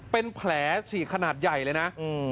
เป็นแผลฉีกขนาดใหญ่เลยนะ